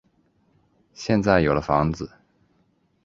现在有了房子